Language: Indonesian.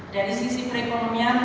dari sisi perekonomian